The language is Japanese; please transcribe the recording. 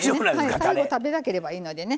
最後食べなければいいのでね。